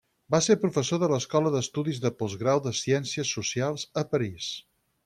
Va ser professor a l'Escola d'Estudis de Postgrau de Ciències Socials a París.